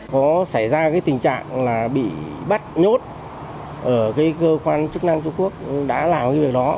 có xảy ra cái tình trạng là bị bắt nhốt ở cái cơ quan chức năng trung quốc đã làm cái việc đó